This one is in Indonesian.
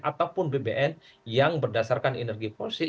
ataupun bbm yang berdasarkan energi fosil